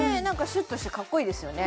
シュッとしてかっこいいですよね